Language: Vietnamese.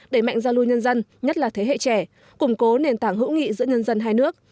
đẩy mạnh giao lưu nhân dân nhất là thế hệ trẻ củng cố nền tảng hữu nghị giữa nhân dân hai nước